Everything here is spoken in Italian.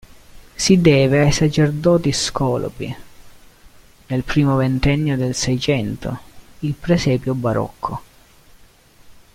Si deve ai sacerdoti scolopi, nel primo ventennio del Seicento, il presepio barocco.